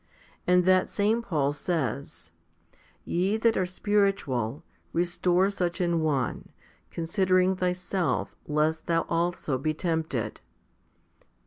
3 And that same Paul says, Ye that are spiritual, restore such an one, considering thyself, lest thou also be tempted.